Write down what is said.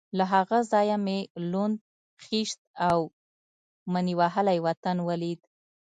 له هغه ځایه مې لوند، خېشت او مني وهلی وطن ولید.